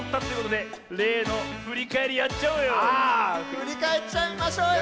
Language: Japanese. ふりかえっちゃいましょうよ！